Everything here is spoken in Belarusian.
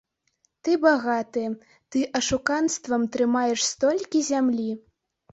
Ты багаты, ты ашуканствам трымаеш столькі зямлі.